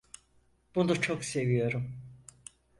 Bunu çok seviyorum.